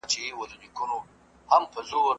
هغه کس په لړزېدونکي غږ خبرې کولې.